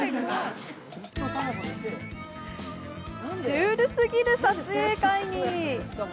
シュールすぎる撮影会に。